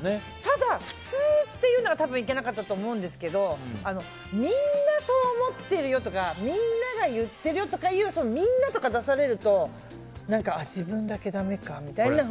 ただ、普通っていうのがたぶんいけなかったと思うんですけどみんなそう思ってるよとかみんなが言ってるよとかみんなとか出されると自分だけダメかみたいなふうに。